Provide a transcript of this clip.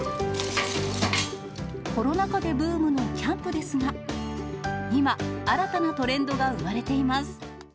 コロナ禍でブームのキャンプですが、今、新たなトレンドが生まれています。